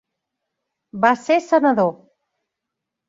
Va ser senador.